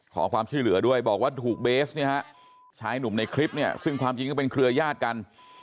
ขอความชื่อเหลือด้วยบอกว่าถูกเบสใช้หนุ่มในคลิปซึ่งความจริงก็เป็นเครือญาติกัน